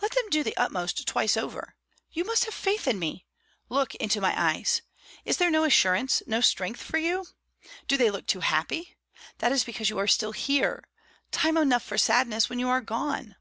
"Let them do the utmost twice over! You must have faith in me. Look into my eyes. Is there no assurance, no strength for you? Do they look too happy? That is because you are still here; time enough for sadness when you are gone.